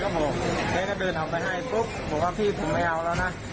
ก็บอกแกก็เดินออกไปให้ปุ๊บบอกว่าพี่ผมไม่เอาแล้วนะ